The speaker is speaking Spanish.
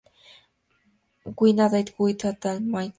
Win a Date with Tad Hamilton!